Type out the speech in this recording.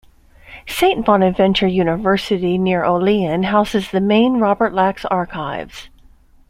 Saint Bonaventure University, near Olean, houses the main Robert Lax archives.